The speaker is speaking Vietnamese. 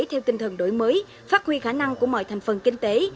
theo tinh thần đổi mới phát huy khả năng của mọi thành phần kinh tế